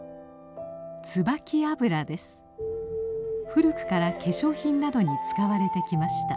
古くから化粧品などに使われてきました。